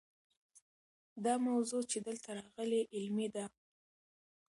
دا موضوع چې دلته راغلې علمي ده.